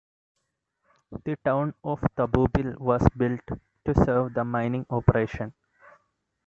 The town of Tabubil was built to serve the mining operation.